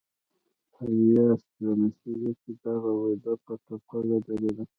په ویاس لسیزه کې دغه وده په ټپه ودرېده.